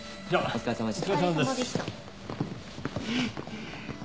お疲れさまでした。